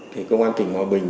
thì công an tỉnh hòa bình